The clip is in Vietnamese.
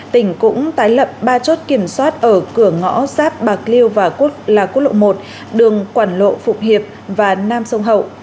tỉnh cũng tái lập ba chốt kiểm soát ở cửa ngõ giáp bạc liêu và là quốc lộ một đường quản lộ phụng hiệp và nam sông hậu